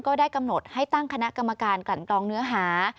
ได้กำหนดให้ตั้งคณะกรรมการกลั่นกรองเนื้อหา